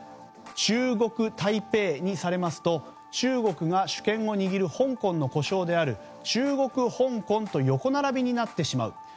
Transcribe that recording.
中国台北にされますと中国が主権を握る香港の呼称である中国香港と横並びになってしまう。